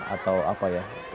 atau apa ya